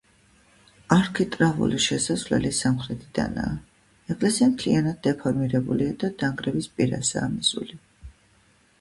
არქიტრავული შესასვლელი სამხრეთიდანაა, ეკლესია მთლიანად დეფორმირებულია და დანგრევის პირასაა მისული.